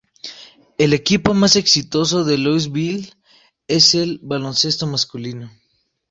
El equipo más exitoso de Louisville es el de baloncesto masculino.